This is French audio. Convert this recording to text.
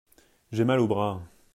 J’ai mal au bras.